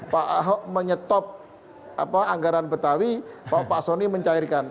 pak ahok menyetop anggaran betawi pak ahok mencairkan